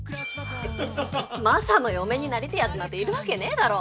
マサの嫁になりてえやつなんているわけねえだろ。